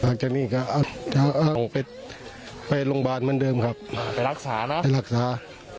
หลังจากนี้ก็จะไปไปโรงพยาบาลเหมือนเดิมครับไปรักษานะไปรักษา